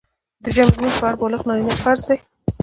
د جمعي لمونځ په هر بالغ نارينه فرض دی